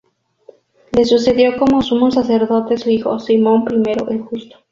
Le sucedió como Sumo Sacerdote su hijo, Simón I el Justo.